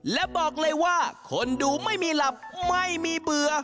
และบอกเลยว่าคนดูไม่มีหลับไม่มีเบื่อ